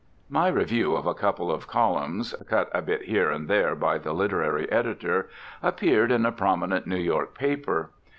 My review, of a couple of columns, cut a bit here and there by the literary editor, appeared in a prominent New York paper.